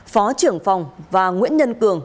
phó trưởng phòng và nguyễn nhân cường